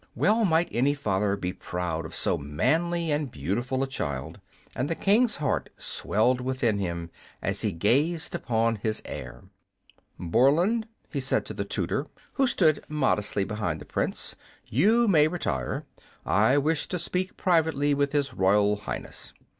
Well might any father be proud of so manly and beautiful a child, and the King's heart swelled within him as he gazed upon his heir. "Borland," he said to the tutor, who stood modestly behind the Prince, "you may retire. I wish to speak privately with his royal highness."